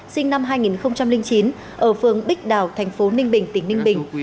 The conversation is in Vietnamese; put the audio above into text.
sinh năm hai nghìn chín ở phường bích đào thành phố ninh bình tỉnh ninh bình